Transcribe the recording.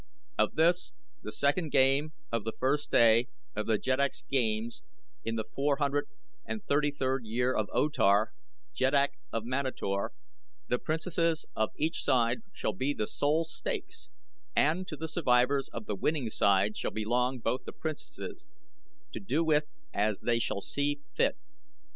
"Of this, the second game of the first day of the Jeddak's Games in the four hundred and thirty third year of O Tar, Jeddak of Manator, the Princesses of each side shall be the sole stakes and to the survivors of the winning side shall belong both the Princesses, to do with as they shall see fit.